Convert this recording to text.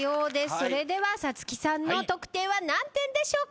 それでは砂月さんの得点は何点でしょうか？